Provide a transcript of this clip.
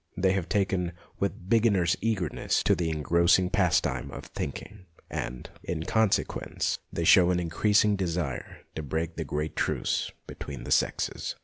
They have taken, with the beginner's eagerness, to the engrossing pastime of thinking, and, in con sequence, they show an increasing desire to break the great truce between the sexes.